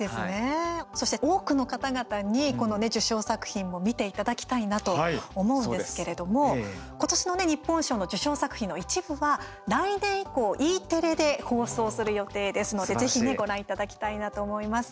そして、多くの方々にこの受賞作品も見ていただきたいなと思うんですけれども今年の日本賞の受賞作品の一部は来年以降Ｅテレで放送する予定ですのでぜひご覧いただきたいなと思います。